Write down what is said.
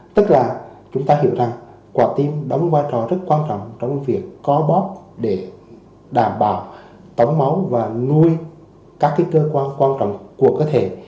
tức là chúng ta hiểu rằng quả tim đóng quan trọng rất quan trọng trong việc có bóp để đảm bảo tống máu và nuôi các cơ quan quan trọng của cơ thể